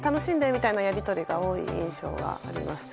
みたいなやり取りが多い印象があります。